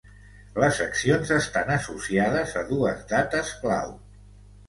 Les accions estan associades a dues dates clau.